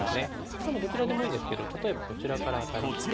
これもどちらでもいいんですけど例えばこちらからアタリして。